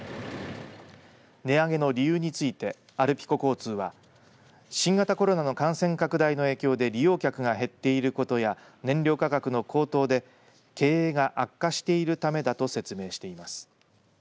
値上げの理由についてアルピコ交通は新型コロナの感染拡大の影響で利用客が減っていることや燃料価格の高騰で経営が悪化しているためだと説明しています。